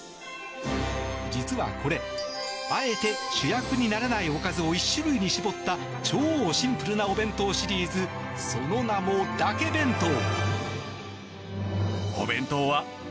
実はこれ、あえて主役にならないおかずを１種類に絞った超シンプルなお弁当シリーズその名も、だけ弁当。